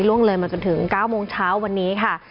เลยมาจนถึง๙โมงเช้าวันนี้ค่ะ